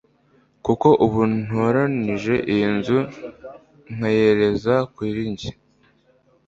Kuko ubu ntoranije iyi nzu nkayereza kugira ngo